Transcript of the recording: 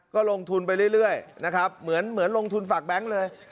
ก็ลงทุนไปเรื่อยนะครับเหมือนลงทุนฝากแบงค์เลย